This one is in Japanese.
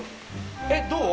えっどう？